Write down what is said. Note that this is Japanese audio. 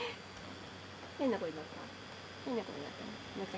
変な声になった？